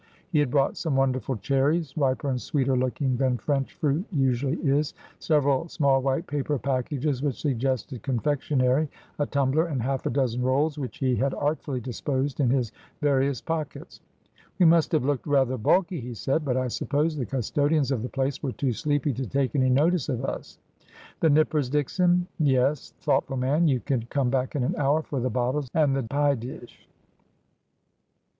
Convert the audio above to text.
He had brought some wonderful cherries — riper and sweeter looking than French fruit usually is — several small white paper packages which sug gested confectionery, a tumbler, and half a dozen rolls, which he had artfully disposed in his various pockets. ' We must have looked rather bulky,' he said ;' but I suppose the custodians of the place were too sleepy to take any notice of us. The nippers, Dickson ? Yes ! Thoughtful man ! You can come back in an hour for the bottles and the pie dish.'